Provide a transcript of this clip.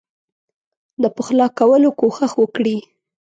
د پخلا کولو کوښښ وکړي.